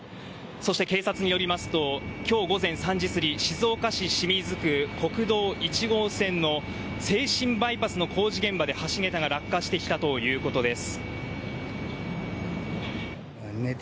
そして警察によりますと今日午前３時過ぎ静岡市清水区国道１号線の静清バイパスの工事現場で橋桁が落下したということです。